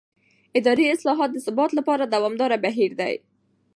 اداري اصلاح د ثبات لپاره دوامداره بهیر دی